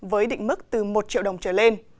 với định mức từ một triệu đồng trở lên